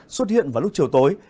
xuất hiện vào lúc chiều tối